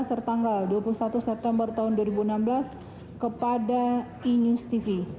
serta tanggal dua puluh satu september tahun dua ribu enam belas kepada e news tv